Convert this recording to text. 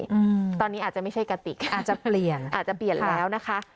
อืมตอนนี้อาจจะไม่ใช่กติกอาจจะเปลี่ยนอาจจะเปลี่ยนแล้วนะคะ